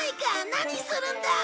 何するんだ！